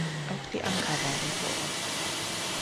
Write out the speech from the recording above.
Auch die Anker waren vor Ort.